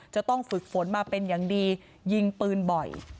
จะต้องฝึกฝนมาเป็นอย่างดียิงปืนบ่อย